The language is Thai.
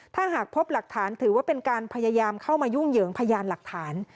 ถ้าหากพบหลักฐานถือว่าเป็นการพยายามเข้ามายุ่งเหยิงพยานหลักฐาน